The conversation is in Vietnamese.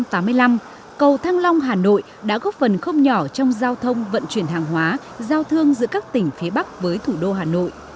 từ năm một nghìn chín trăm tám mươi năm cầu thăng long hà nội đã góp phần không nhỏ trong giao thông vận chuyển hàng hóa giao thương giữa các tỉnh phía bắc với thủ đô hà nội